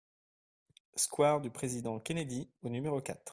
Square du Président Kennedy au numéro quatre